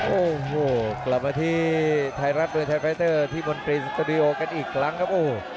โอ้โหกลับมาที่ไทยรัฐมวยไทยไฟเตอร์ที่มนตรีสตูดิโอกันอีกครั้งครับโอ้โห